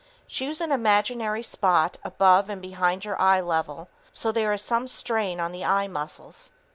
Choose an imaginary spot above and behind your eye level so there is some strain on the eye muscles.